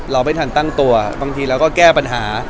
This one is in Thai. เราไม่ทันตั้งตัวบางทีเราก็แก้ปัญหา